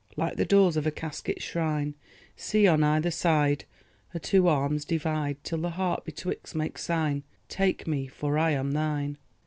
Like the doors of a casket shrine, See on either side, Her two arms divide Till the heart betwixt makes sign, 'Take me, for I am thine.